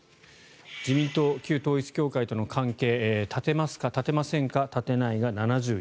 自民党、旧統一教会との関係絶てますか、絶てませんか絶てないが７２％と。